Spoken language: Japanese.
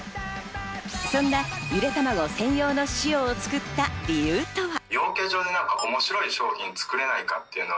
そんな、ゆでたまご専用の塩を作った理由とは。